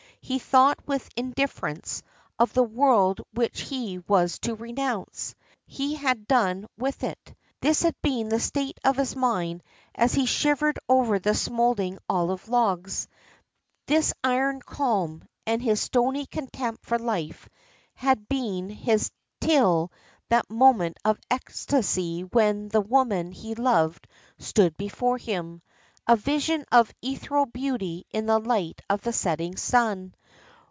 He thought with indifference of the world which he was to renounce. He had done with it. This had been the state of his mind as he shivered over the smouldering olive logs. This iron calm, and his stony contempt for life, had been his till that moment of ecstasy when the woman he loved stood before him, a vision of ethereal beauty in the light of the setting sun.